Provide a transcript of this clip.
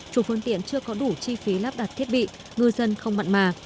chủ phương tiện chưa có đủ chi phí lắp đặt thiết bị ngư dân không mặn mà